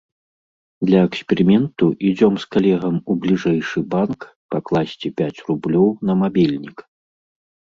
Для эксперыменту ідзём з калегам у бліжэйшы банк пакласці пяць рублёў на мабільнік.